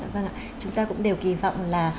vâng ạ chúng ta cũng đều kỳ vọng là